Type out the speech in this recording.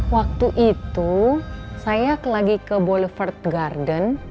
waktu itu saya lagi ke boulevard garden